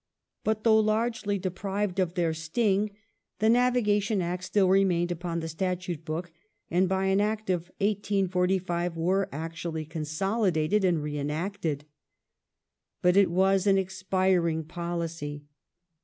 But though largely deprived of their sting, the Navigation I^ws still remained upon the Statute book, and by an Act of 1845 were actually consolidated and re enacted. But it was an expiring policy.